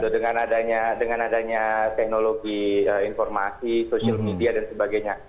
dengan adanya teknologi informasi social media dan sebagainya